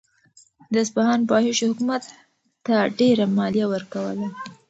د اصفهان فاحشو حکومت ته ډېره مالیه ورکوله.